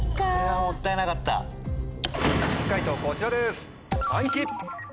解答こちらです。